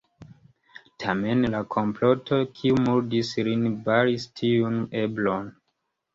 Tamen, la komploto, kiu murdis lin, baris tiun eblon.